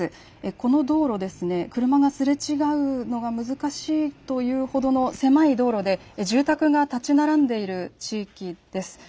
この道路、車がすれ違うのが難しいというほどの狭い道路で住宅が建ち並んでいる地域です。